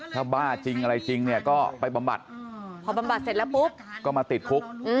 ถ้าบ้าจริงอะไรจริงเนี่ยก็ไปบำบัดพอบำบัดเสร็จแล้วปุ๊บก็มาติดคุก